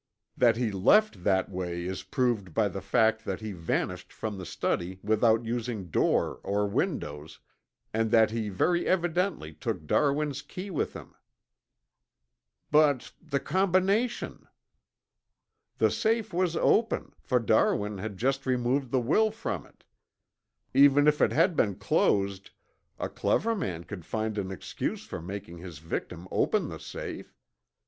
That he left that way is proved by the fact that he vanished from the study without using door or windows, and that he very evidently took Darwin's key with him." "But the combination?" "The safe was open, for Darwin had just removed the will from it. Even if it had been closed, a clever man could find an excuse for making his victim open the safe.